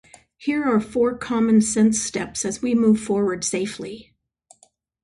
Here are four common sense steps as we move forward safely.